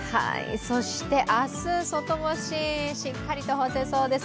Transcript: そして明日、外干ししっかりと干せそうです。